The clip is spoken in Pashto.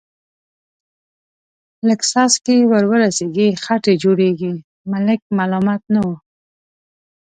لږ څاڅکي ور ورسېږي، خټې جوړېږي، ملک ملامت نه و.